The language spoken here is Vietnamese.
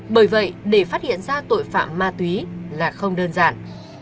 bởi vậy để phát hiện ra tội phạm ma túy là không đơn giản